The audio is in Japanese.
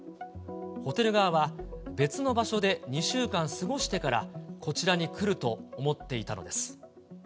ホテル側は、別の場所で２週間過ごしてからこちらに来ると思っていたのです。